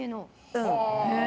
うん。